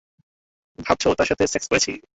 ভাবছো তার সাথে সেক্স করেছি?